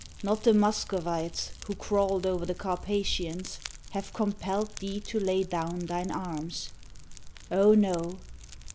not the Muscovites, who crawled over the Carpathians, have compelled thee to lay down thine arms. O no